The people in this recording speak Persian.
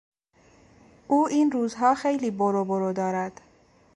او این روزها خیلی برو برو دارد.